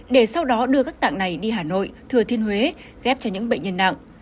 để sau đó đưa các tạng này đi hà nội thừa thiên huế ghép cho những bệnh nhân nặng